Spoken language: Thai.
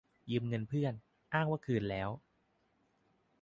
- ยืมเงินเพื่อน : อ้างว่าคืนแล้ว